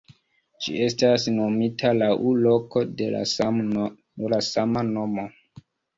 Ĝi estas nomita laŭ loko de la sama nomo.